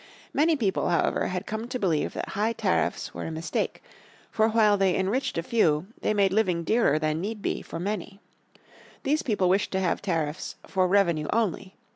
Many people, however, had come to believe that high tariffs were a mistake, for while they enriched a few they made living dearer than need be for many. These people wished to have tariffs "for revenue only."